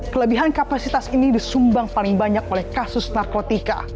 kelebihan kapasitas ini disumbang paling banyak oleh kasus narkotika